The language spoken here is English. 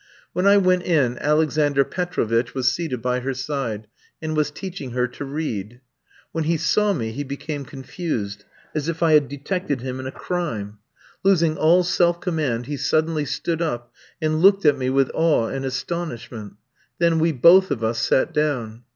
When I went in Alexander Petrovitch was seated by her side, and was teaching her to read. When he saw me he became confused, as if I had detected him in a crime. Losing all self command, he suddenly stood up and looked at me with awe and astonishment. Then we both of us sat down.